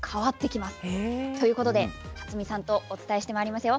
ということで辰巳さんとお伝えしてまいりますよ。